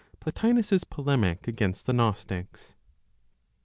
PLOTINOS'S POLEMIC AGAINST THE GNOSTICS.